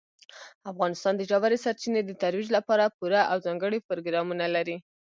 افغانستان د ژورې سرچینې د ترویج لپاره پوره او ځانګړي پروګرامونه لري.